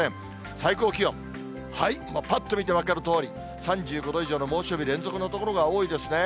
最高気温、もうぱっと見て分かるとおり、３５度以上の猛暑日、連続の所が多いですね。